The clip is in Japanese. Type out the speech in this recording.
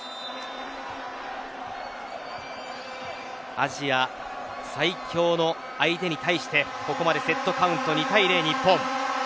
アジア最強の相手に対してここまでセットカウント、２対０日本。